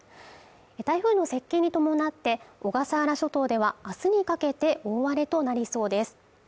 台風の接近に伴って小笠原諸島ではあすにかけて大荒れとなりそうです